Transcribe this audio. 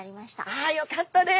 あよかったです！